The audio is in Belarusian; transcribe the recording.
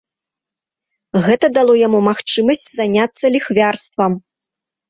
Гэта дало яму магчымасць заняцца ліхвярствам.